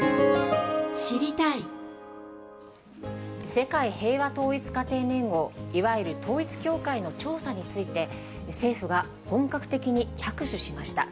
世界平和統一家庭連合、いわゆる統一教会の調査について、政府が本格的に着手しました。